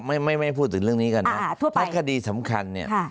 ไม่ไม่ไม่พูดถึงเรื่องนี้ก่อนนะอ่าทั่วไปแล้วคดีสำคัญเนี้ยค่ะ